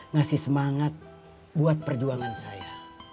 ngasih semangat buat perjuangan saya